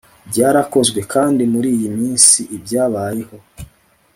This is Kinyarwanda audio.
byarakozwe, kandi muriyi minsi ibyababayeho